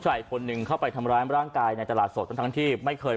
อีกคนนึงเข้าไปทำร้ายร่างกายในตลาดสดทั้งที่ไม่เคย